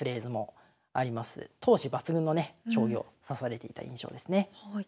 闘志抜群のね将棋を指されていた印象ですね。